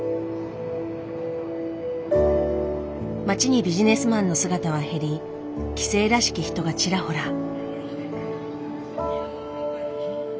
街にビジネスマンの姿は減り帰省らしき人がちらほら。